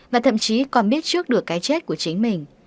và thậm chí còn biết trước được cái chết của chính mình